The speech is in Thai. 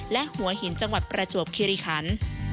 และหัวหินจังหวัดประจวบคิริคัน